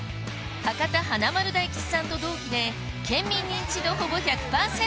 博多華丸・大吉さんと同期で県民認知度ほぼ１００％